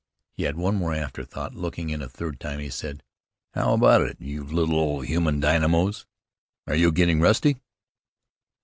He had one more afterthought. Looking in a third time, he said, "How about it, you little old human dynamos; are you getting rusty?"